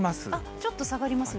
ちょっと下がりますね。